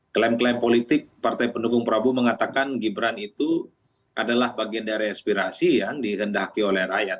klaim klaim politik partai pendukung prabowo mengatakan gibran itu adalah bagian dari aspirasi yang dihendaki oleh rakyat